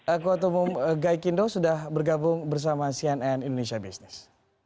aku atomum gai kindo sudah bergabung bersama cnn indonesia business